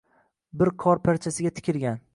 Bir qor parchasiga tikilgan…